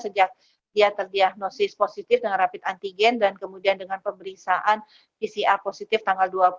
sejak dia terdiagnosis positif dengan rapid antigen dan kemudian dengan pemeriksaan pcr positif tanggal dua puluh